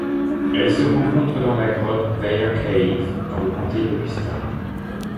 Elle se rencontre dans la grotte Weyer's Cave dans le comté d'Augusta.